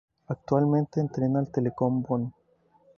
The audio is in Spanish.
Actualmente entrena al Telekom Bonn.